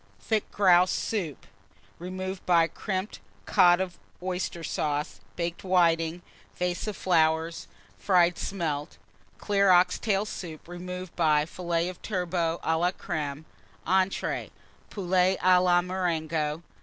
_ Thick Grouse Soup, removed by Crimped Cod and Oyster Sauce. Baked Whitings. Vase of Fried Smelts. Flowers. Clear Ox tail Soup, removed by Fillets of Turbot à la Crême. Entrées. Poulet à la Marengo.